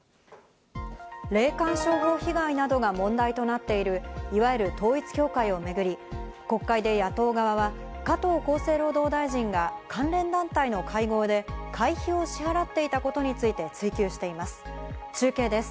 霊感商法被害などが問題となっている、いわゆる統一教会をめぐり、国会で野党側は加藤厚生労働大臣が関連団体の会合で会費を支払っていたことについて追及しています。